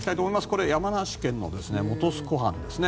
これは山梨県の本栖湖畔ですね。